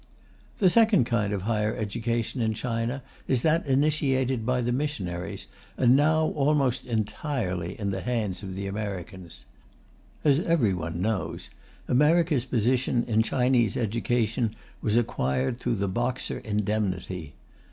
The second kind of higher education in China is that initiated by the missionaries, and now almost entirely in the hands of the Americans. As everyone knows, America's position in Chinese education was acquired through the Boxer indemnity.